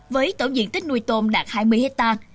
với tổng diện tích nuôi tôm đạt hai mươi hectare